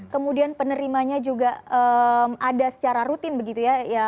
kemudian penerimanya juga ada secara rutin begitu ya